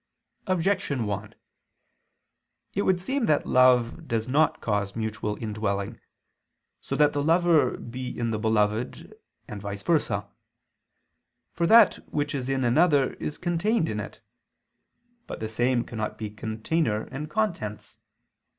Objection 1: It would seem that love does not cause mutual indwelling, so that the lover be in the beloved and vice versa. For that which is in another is contained in it. But the same cannot be container and contents.